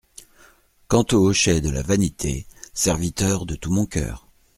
Quant aux hochets de la vanité, serviteur de tout mon coeur.